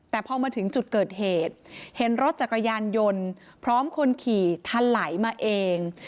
แต่พอมาถึงจุดเกิดเหตุเห็นรถจักรยานยนต์พร้อมคนขี่ทะไหลมาเอง